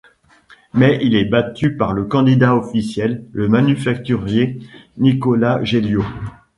Mais il est battu par le candidat officiel, le manufacturier Nicolas Géliot.